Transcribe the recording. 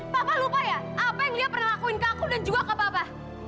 papa lupa ya apa yang lia pernah lakuin ke aku dan juga ke papa